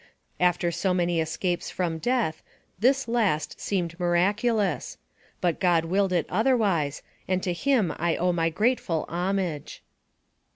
After so many escapes from death, this last seemed miraculous; but God willed it otherwise, and to him I owe my grateful homage.